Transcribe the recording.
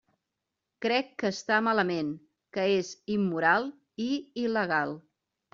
Crec que està malament, que és immoral i il·legal.